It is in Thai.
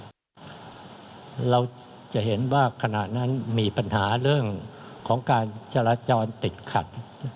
เราจะเห็นว่าขณะนั้นมีปัญหาเรื่องของการจราจรติดขัด